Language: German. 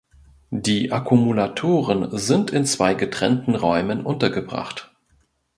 Die Akkumulatoren sind in zwei getrennten Räumen untergebracht.